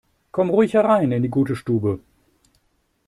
Kommt ruhig herein in die gute Stube!